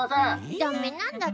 ダメなんだって。